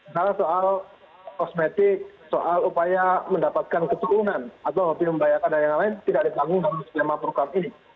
salah soal kosmetik soal upaya mendapatkan keturunan atau lebih membayarkan dari yang lain tidak ditanggung dalam sistema program ini